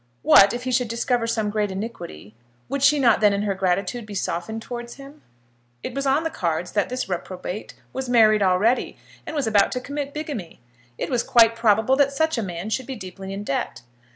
What, if he should discover some great iniquity; would she not then in her gratitude be softened towards him? It was on the cards that this reprobate was married already, and was about to commit bigamy. It was quite probable that such a man should be deeply in debt.